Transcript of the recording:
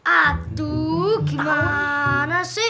aduh gimana sih